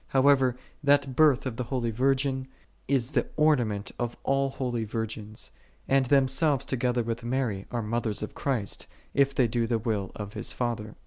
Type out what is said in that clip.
How ever, That Birth of the Holy Virgin is the ornament of all holy virgins; and themselves together with Mary are mothers of Christ, if they do the will of His Father.